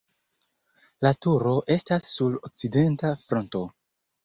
La turo estas sur okcidenta fronto.